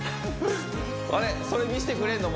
あれそれ見せてくれるの？